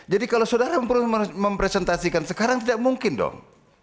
jadi kalau saudara mempresentasikan sekarang tidak mungkin dong